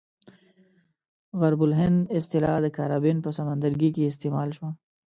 غرب الهند اصطلاح د کاربین په سمندرګي کې استعمال شوه.